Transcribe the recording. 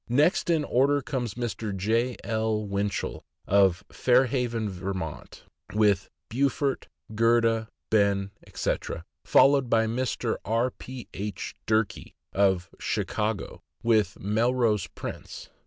Next in order comes Mr. J. L. Winchell, of Fair haven, Vt., with Beaufort, Gerda, Ben, etc.; followed by Mr. R. P. H. Durkee, of Chicago, with Melrose Prince; Mr. C.